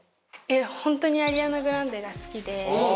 本当にアリアナ・グランデが好きで。